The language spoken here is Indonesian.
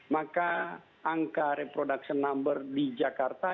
maka angka reproduction number di jakarta